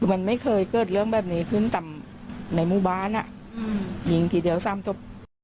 มันไม่เคยเกิดเรื่องแบบนี้ขึ้นต่ำในหมู่บ้านยิงทีเดียว๓ศพ